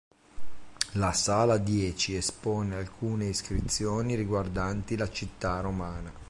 La sala dieci espone alcune iscrizioni riguardanti la città romana.